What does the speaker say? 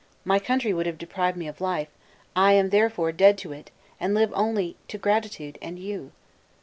My country would have deprived me of life; I am therefore dead to it, and live only to gratitude and you!"